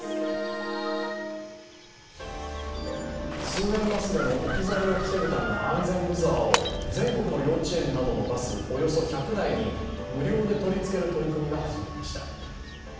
通園バスでの置き去りを防ぐための安全ブザーを全国の幼稚園などのバス、およそ１００台に無料で取りつける取り組みが始まりました。